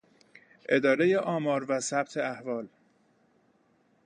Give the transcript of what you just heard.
ادارهٔ آمار و ثبت احوال